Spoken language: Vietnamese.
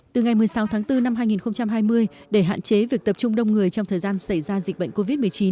từ ngày một mươi sáu tháng bốn năm hai nghìn hai mươi để hạn chế việc tập trung đông người trong thời gian xảy ra dịch bệnh covid một mươi chín